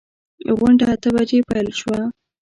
غونډه اته بجې پیل شوه.